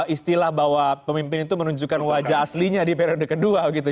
istilah bahwa pemimpin itu menunjukkan wajah aslinya di periode kedua gitu